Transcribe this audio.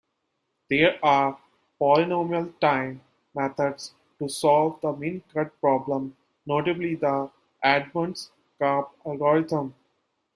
There are polynomial-time methods to solve the min-cut problem, notably the Edmonds-Karp algorithm.